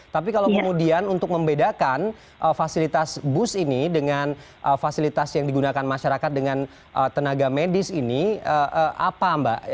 tapi kalau kemudian untuk membedakan fasilitas bus ini dengan fasilitas yang digunakan masyarakat dengan tenaga medis ini apa mbak